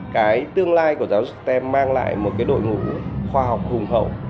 cái tương lai của giáo dục stem mang lại một cái đội ngũ khoa học hùng hậu